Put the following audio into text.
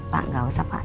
pak gak usah pak